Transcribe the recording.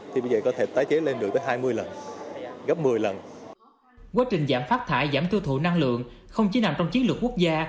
quá trình giảm phát thải giảm tiêu thụ năng lượng không chỉ nằm trong chiến lược quốc gia